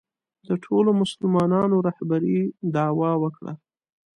د ټولو مسلمانانو رهبرۍ دعوا وکړه